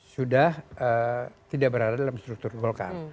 sudah tidak berada dalam struktur golkar